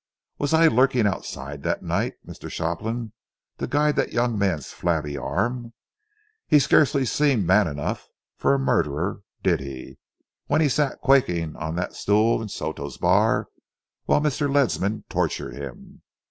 Was I lurking outside that night, Mr. Shopland, to guide that young man's flabby arm? He scarcely seemed man enough for a murderer, did he, when he sat quaking on that stool in Soto's Bar while Mr. Ledsam tortured him?